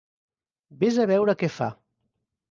Vés a veure què fa.